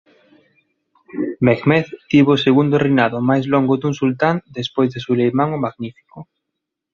Mehmed tivo o segundo reinado máis longo dun sultán despois de Suleiman o Magnífico.